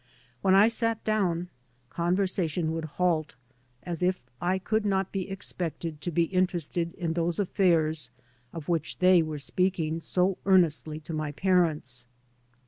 When I sat down conversation would halt, as if I could not be expected to be interested in those affairs of which they were speaking so earnestly to my parents.